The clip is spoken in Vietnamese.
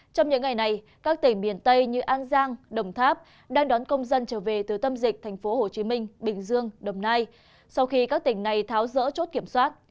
trong những ngày này các tỉnh miền tây như an giang đồng tháp đang đón công dân trở về từ tâm dịch tp hcm bình dương đồng nai sau khi các tỉnh này tháo rỡ chốt kiểm soát